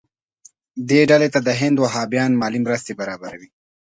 دې ډلې ته د هند وهابیان مالي مرستې برابروي.